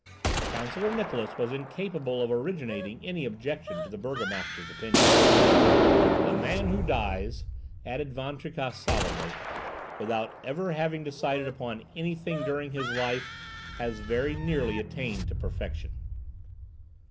Counsellor Niklausse was incapable of originating any objection to the burgomaster's opinion. "The man who dies," added Van Tricasse solemnly, "without ever having decided upon anything during his life, has very nearly attained to perfection."